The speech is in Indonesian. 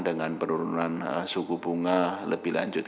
dengan penurunan suku bunga lebih lanjut